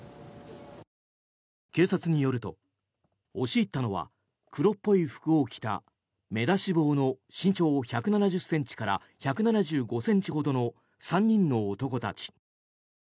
警察によると、押し入ったのは黒っぽい服を着た目出し帽の身長１７０ｃｍから１７５ｃｍほどの３人の男たち。